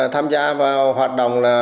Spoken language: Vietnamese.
tham gia vào hoạt động